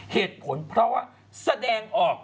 เหตุผลเพราะว่าแสดงออก